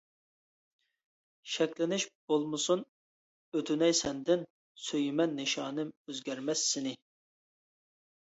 شەكلىنىش بولمىسۇن ئۆتۈنەي سەندىن، سۆيىمەن نىشانىم ئۆزگەرمەس سېنى.